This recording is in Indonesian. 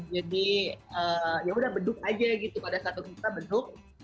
jadi ya udah beduk aja gitu pada saat kita beduk